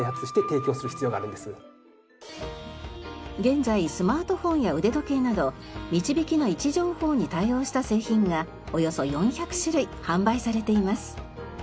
現在スマートフォンや腕時計などみちびきの位置情報に対応した製品がおよそ４００種類販売されています。